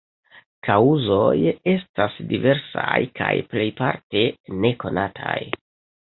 Kaŭzoj estas diversaj kaj plejparte nekonataj.